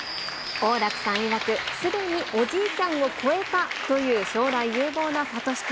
王楽さんいわく、すでにおじいちゃんを超えたという将来有望な理史君。